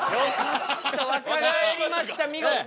若返りました見事。